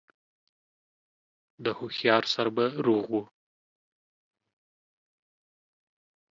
د هوښيار سر به روغ و